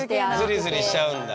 ズリズリしちゃうんだ。